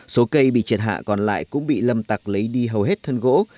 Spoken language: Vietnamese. số cây bị triệt hạ còn lại cũng bị lâm tặc lấy đi hầu hết thân gỗ